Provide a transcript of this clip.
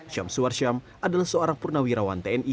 syamsuar syam adalah seorang purnawirawan tni